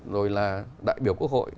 rồi là đại biểu quốc hội